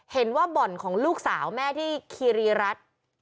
เห็นว่าบ่อนของลูกสาวแม่ที่คีรีรัฐ